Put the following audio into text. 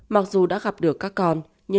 mặc dù đã gặp được các con